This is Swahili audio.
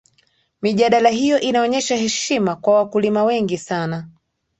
mijadala hiyo inaonyesha heshima kwa wakulima wengi sana